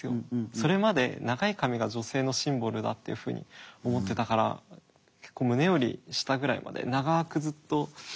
それまで長い髪が女性のシンボルだっていうふうに思ってたから結構胸より下ぐらいまで長くずっと伸ばしてて。